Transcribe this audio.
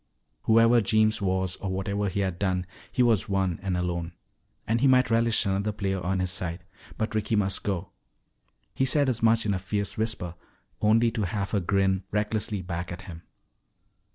Whoever Jeems was or whatever he had done, he was one and alone. And he might relish another player on his side. But Ricky must go. He said as much in a fierce whisper, only to have her grin recklessly back at him.